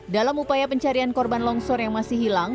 dalam upaya pencarian korban longsor yang masih hilang